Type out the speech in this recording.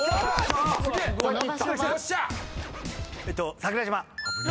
桜島。